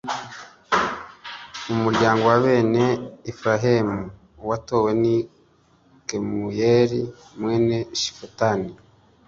mu muryango wa bene efurayimu, uwatowe ni kemuyeli mwene shifutani.